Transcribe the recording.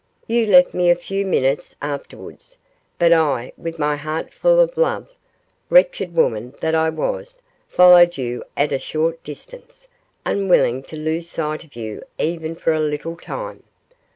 You left me a few minutes afterwards, but I, with my heart full of love wretched woman that I was followed you at a short distance, unwilling to lose sight of you even for a little time.